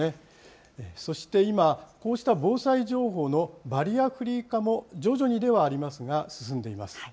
そして今、こうした防災情報のバリアフリー化も徐々にではありますが、進んでいます。